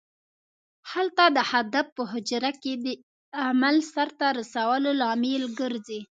هلته د هدف په حجره کې د عمل سرته رسولو لامل ګرځي.